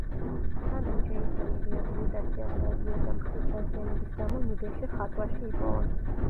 სანამ ჯეისონი რეაბილიტაციას გადიოდა მხრის დაზიანების გამო, ნუგეში ხატვაში იპოვა.